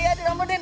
iya di nomor din